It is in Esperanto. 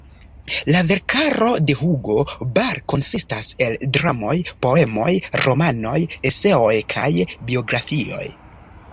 La verkaro de Hugo Ball konsistas el dramoj, poemoj, romanoj, eseoj kaj biografioj.